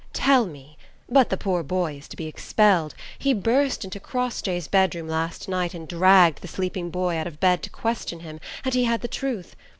"Tell me. But the poor boy is to be expelled! He burst into Crossjay's bedroom last night and dragged the sleeping boy out of bed to question him, and he had the truth.